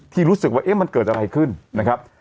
ที่รู้สึกว่าเอ๊ะมันเกิดอะไรขึ้นนะครับ